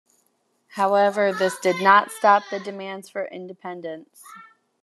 However, this did not stop the demands for independence.